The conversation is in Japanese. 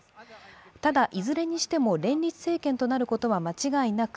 ただいずれにしても連立政権となることは間違いなく、